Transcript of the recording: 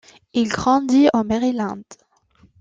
Il grandit au Maryland.